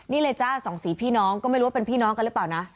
นี่เลยจ้าสองสีพี่น้องก็ไม่รู้ว่าเป็นพี่น้องกันหรือเปล่านะ